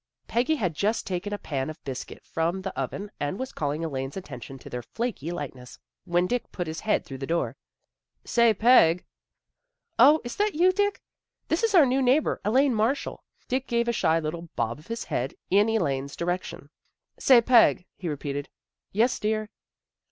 Peggy had just taken a pan of biscuit from the oven, and was calling Elaine's attention to their flaky lightness, when Dick put his head through the door. "Say, Peg " "0, is that you, Dick? This is our new neighbor, Elaine Marshall." Dick gave a shy little bob of his head hi Elaine's direction. " Say, Peg," he repeated. "Yes, dear."